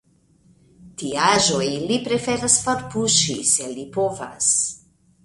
Tiaĵoj li preferas forpuŝi, se li povas.